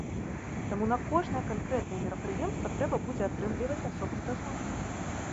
Таму на кожнае канкрэтнае мерапрыемства трэба будзе атрымліваць асобны дазвол.